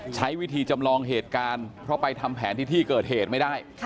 ใช้วิธีจำลองเหตุการณ์เพราะไปทำแผนที่ที่เกิดเหตุไม่ได้